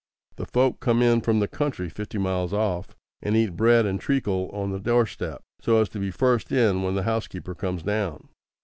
The folk come in from the county fifty miles off, and eat bread and treacle on the doorstep, so as to be first in when the housekeeper comes down.